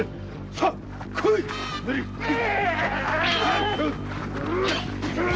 さあ来いっ！